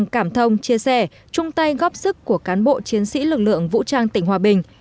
cảm thông chia sẻ chung tay góp sức của cán bộ chiến sĩ lực lượng vũ trang tỉnh hòa bình